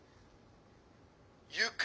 「ゆく」。